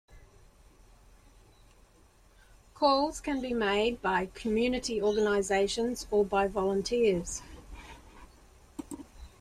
Calls can be made by community organizations or by volunteers.